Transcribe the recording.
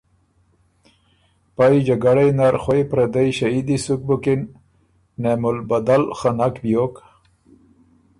پئ جګړئ نر خوئ پردئ ݭهِدی سُک بُکِن نعم البدل خه نک بیوک،